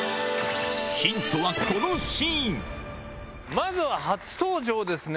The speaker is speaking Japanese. まずは初登場ですね